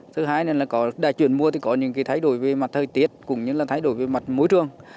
thứ hai là đã chuyển mùa thì có những cái thay đổi về mặt thời tiết cũng như là thay đổi về mặt môi trường